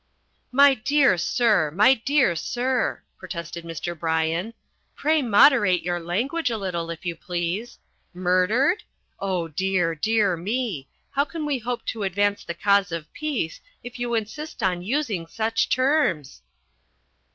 "My dear sir, my dear sir," protested Mr. Bryan, "pray moderate your language a little, if you please. Murdered? Oh, dear, dear me, how can we hope to advance the cause of peace if you insist on using such terms?"